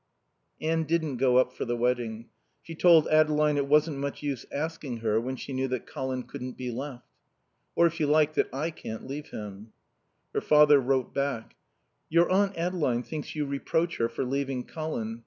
Anne didn't go up for the wedding. She told Adeline it wasn't much use asking her when she knew that Colin couldn't be left. "Or, if you like, that I can't leave him." Her father wrote back: Your Aunt Adeline thinks you reproach her for leaving Colin.